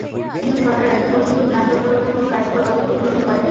কিন্তু সরকার এখন পর্যন্ত ত্রাণ তৎপরতায় কোনো কার্যকর পদক্ষেপ গ্রহণ করেনি।